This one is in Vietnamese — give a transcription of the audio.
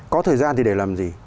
có thời gian thì để làm gì